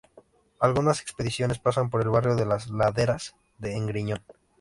Algunas expediciones pasan por el barrio de Las Laderas, en Griñón.